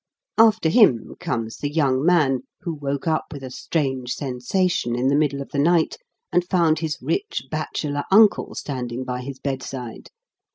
After him comes the young man who woke up with a strange sensation in the middle of the night, and found his rich bachelor uncle standing by his bedside.